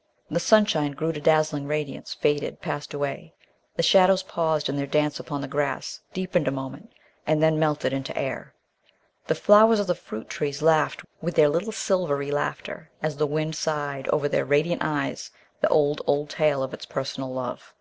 ... The sunshine grew to dazzling radiance, faded, passed away. The shadows paused in their dance upon the grass, deepened a moment, and then melted into air. The flowers of the fruit trees laughed with their little silvery laughter as the wind sighed over their radiant eyes the old, old tale of its personal love.